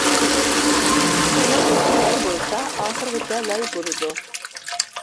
سۇنىڭ بېشى لاي بولسا ئاخىرغىچە لاي بولىدۇ.